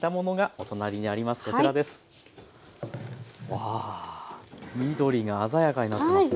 わあ緑が鮮やかになってますね。